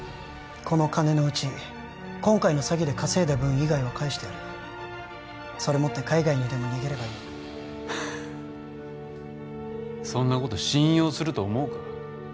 この金のうち今回の詐欺で稼いだ分以外は返してやるそれ持って海外にでも逃げればいいそんなこと信用すると思うか？